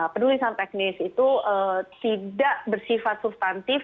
penulisan teknis itu tidak bersifat substantif